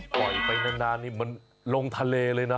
ปล่อยไปนานนี่มันลงทะเลเลยนะ